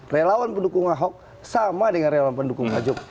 relawan pendukung ahok sama dengan relawan pendukung pak jokowi